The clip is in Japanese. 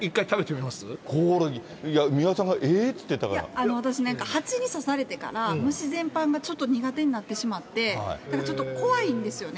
コオロギ、三輪さんが、私なんか、蜂に刺されてから、虫全般がちょっと苦手になってしまって、なんかちょっと怖いんですよね。